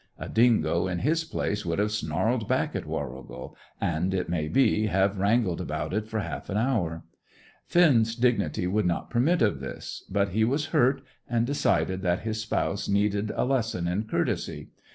A dingo in his place would have snarled back at Warrigal and, it may be, have wrangled about it for half an hour. Finn's dignity would not permit of this, but he was hurt, and decided that his spouse needed a lesson in courtesy.